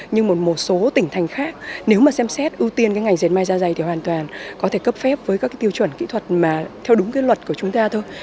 nhưng một số tỉnh thành khác nếu mà xem xét ưu tiên cái ngành dệt may ra dày thì hoàn toàn có thể cấp phép với các cái tiêu chuẩn kỹ thuật mà theo đúng cái luật của chúng ta thôi